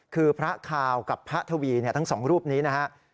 คือพระคาวกับพระทวีทั้งสองรูปนี้นะครับ